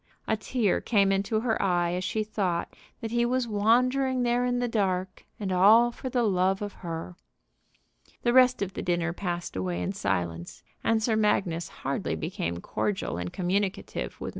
A tear came into her eye as she thought that he was wandering there in the dark, and all for the love of her. The rest of the dinner passed away in silence, and Sir Magnus hardly became cordial and communicative with M.